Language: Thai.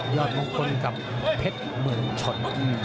ยอดมองคนกับเพชรเมลงชน